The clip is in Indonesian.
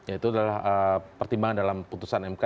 itu adalah pertimbangan dalam putusan mk